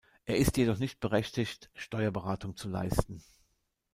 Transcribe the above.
Er ist jedoch nicht berechtigt, Steuerberatung zu leisten.